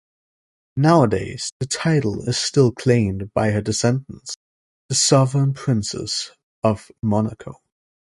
Nowadays, the title is still claimed by her descendants, the Sovereign Princes of Monaco.